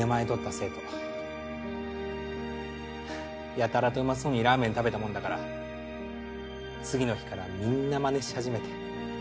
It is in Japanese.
やたらとうまそうにラーメン食べたもんだから次の日からみんなまねし始めて。